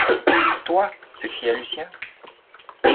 Toi? s’écria Lucien.